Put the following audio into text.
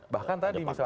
bahkan tadi misalnya